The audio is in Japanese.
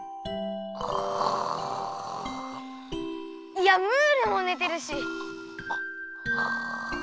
いやムールもねてるし！